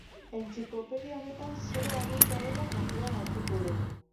Entziklopedia honetan, zero arrunta dela kontuan hartuko dugu.